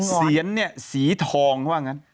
เสียนเนี่ยสีทองเขาว่าอย่างนั้น